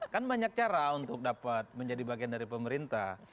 kan banyak cara untuk dapat menjadi bagian dari pemerintah